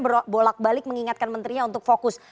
berbolak balik mengingatkan menterinya untuk fokus